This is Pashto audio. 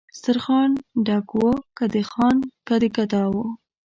سترخان ډک و که د خان که د ګدا وو